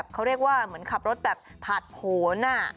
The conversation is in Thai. เขาเรียกว่าเหมือนขับรถแบบผ่านผล